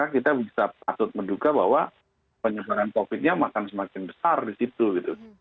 kita bisa patut menduga bahwa penyebaran covid nya akan semakin besar di situ gitu